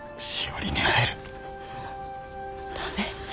駄目。